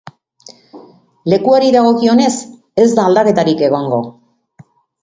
Lekuari dagokionez, ez da aldaketarik egongo.